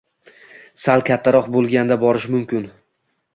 Sal kattaroq bo‘lganda, borishi mumkin.